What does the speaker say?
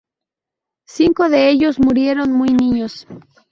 Cinco de ellos murieron muy niños.